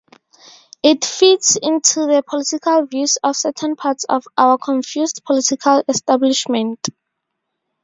It fits into the political views of certain parts of our confused political establishment.